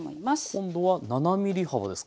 今度は７ｍｍ幅ですか？